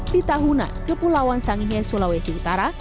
di tahuna kepulauan sangihe sulawesi utara